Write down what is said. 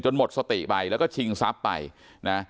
จนหมดสติไปแล้วก็ชิงซับไปนะ